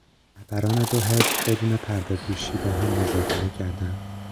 رهبران دو حزب بدون پردهپوشی با هم مذاکره کردند.